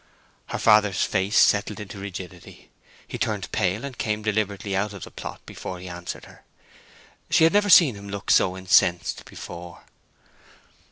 Her father's face settled into rigidity, he turned pale, and came deliberately out of the plot before he answered her. She had never seen him look so incensed before.